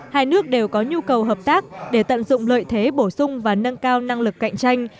hai nước đều có nhu cầu hợp tác để tận dụng lợi thế bổ sung và nâng cao năng lực cạnh tranh